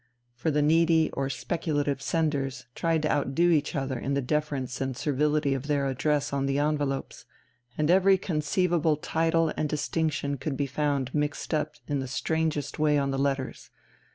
For the needy or speculative senders tried to outdo each other in the deference and servility of their address on the envelopes, and every conceivable title and distinction could be found mixed up in the strangest way on the letters.